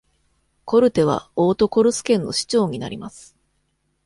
コルテはオートコルス県の支庁になります。